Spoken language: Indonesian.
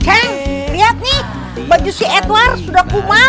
ceng lihat nih baju si edward sudah kumal